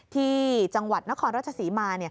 ที่จังหวัดนครราชศรีมา